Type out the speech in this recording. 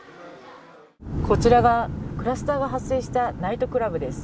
こちらがクラスターが発生したナイトクラブです。